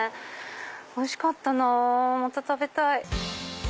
おいしかったなぁまた食べたい。